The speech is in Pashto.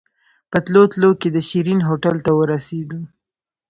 په تلو تلو کې د شيرين هوټل ته ورسېدو.